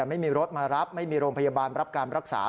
ไม่มีรถมารับไม่มีโรงพยาบาลรับการรักษา